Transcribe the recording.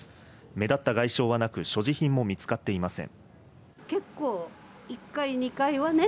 目立った外傷はなく所持品も見つかっていません。